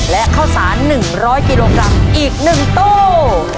และข้าวสาร๑๐๐กิโลกรัมอีก๑ตู้